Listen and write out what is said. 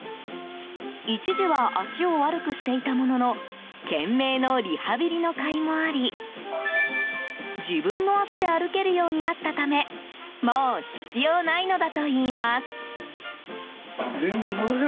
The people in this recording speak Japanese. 一時は足を悪くしていたものの懸命のリハビリのかいもあり自分の足で歩けるようになったためもう必要ないのだといいます。